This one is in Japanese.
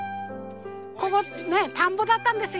ここね田んぼだったんですよね。